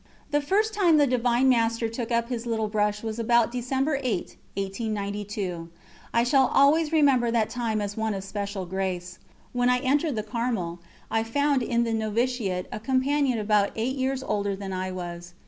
The first time the Divine Master took up His little brush was about December 8, 1892. I shall always remember that time as one of special grace. When I entered the Carmel, I found in the noviciate a companion about eight years older than I was.